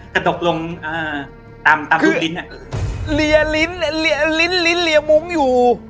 กระดกลงอ่าตามตามรูปลิ้นอ่ะคือเรียริ้นเรียริ้นลิ้นเรียร์มุ้งอยู่